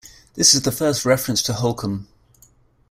This is the first reference to Holkham.